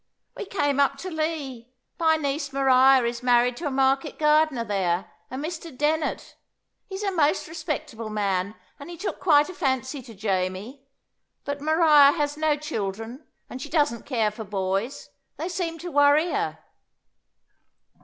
"We came up to Lee. My niece Maria is married to a market gardener there, a Mr. Dennett; he's a most respectable man, and he took quite a fancy to Jamie. But Maria has no children, and she doesn't care for boys; they seem to worry her."